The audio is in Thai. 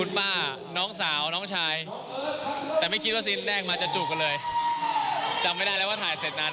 ดูเส้นเล่นไปก็ขนลุกเหมือนกัน